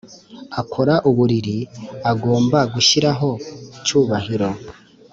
akora uburiri agomba gushyiraho cyubahiro